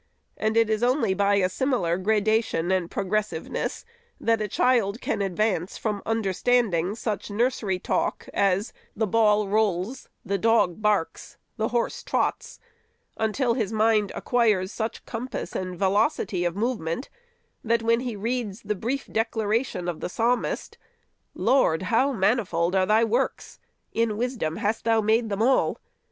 And it is only by a similar gradation and pro gressiveness, that a child can advance from understanding such nursery talk as "the ball rolls," "the dog barks," "the horse trots," until his mind acquires such compass and velocity of movement, that when he reads the brief SECOND ANNUAL REPORT. 541 declaration of the Psalmist, " 0 Lord, how manifold are thy works; in wisdom hast thou made them all!"